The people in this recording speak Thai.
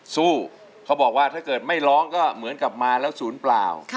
เขาบอกว่าถ้าเกิดไม่ร้องก็เหมือนกลับมาแล้วศูนย์เปล่า